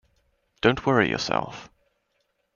Don’t worry yourself.